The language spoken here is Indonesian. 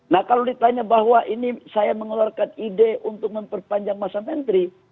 nah kalau ditanya bahwa ini saya mengeluarkan ide untuk memperpanjang masa menteri